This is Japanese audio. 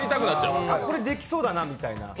これできそうだな、みたいな。